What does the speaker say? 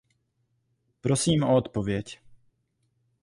Prosím o odpověď.